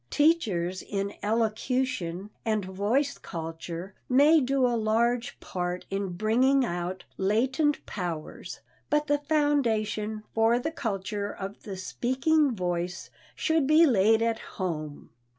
Teachers in elocution and voice culture may do a large part in bringing out latent powers, but the foundation for the culture of the speaking voice should be laid at home.